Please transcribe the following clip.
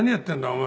お前」